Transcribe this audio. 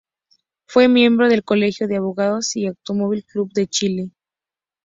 Fue miembro del Colegio de Abogados y del Automóvil Club de Chile.